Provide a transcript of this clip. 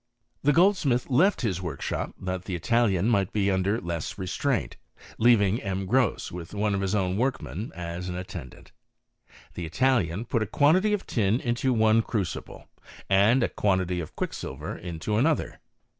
The goldsmith left his workshop, that the Italian might be under the less restraint, leaving M. Gros, with one of his own workmen, asi an attendant. The Italian put a quantity of tin into one crucible, and a quantity of quicksilver into another.